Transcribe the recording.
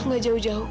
gak jauh jauh kok